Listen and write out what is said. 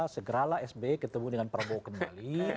segeralah sby ketemu dengan prabowo kembali